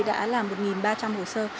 đã là một ba trăm linh hồ sơ